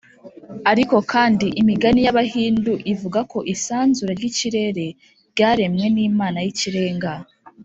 ariko kandi, imigani y’abahindu ivuga ko isanzure ry’ikirere ryaremwe n’imana y’ikirenga